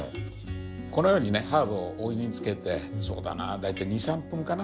このようにねハーブをお湯につけてそうだな大体２３分かな？